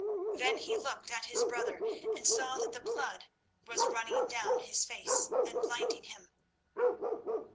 Then he looked at his brother and saw that the blood was running down his face and blinding him.